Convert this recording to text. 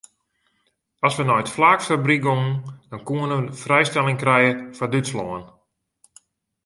As we nei it flaaksfabryk gongen dan koenen we frijstelling krije foar Dútslân.